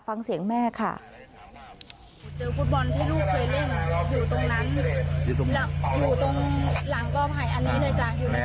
ฟังเสียงแม่ค่ะเจอฟุตบอลที่ลูกเคยเล่น